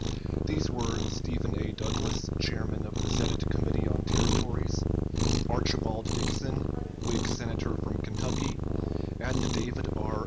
These were Stephen A. Douglas, chairman of the Senate Committee on Territories; Archibald Dixon, Whig Senator from Kentucky; and David R.